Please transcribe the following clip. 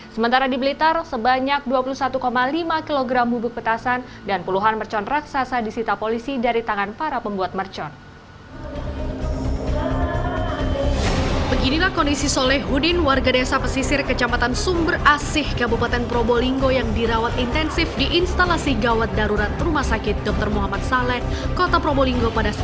sementara di blitar sebanyak dua puluh satu lima kg bubuk petasan dan puluhan mercon raksasa disita polisi dari tangan para pembuat mercon